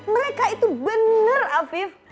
mereka itu bener afif